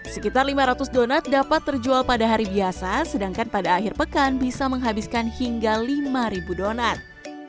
sekitar lima ratus donat dapat terjual pada hari biasa sedangkan pada akhir pekan bisa menghabiskan hingga lima donat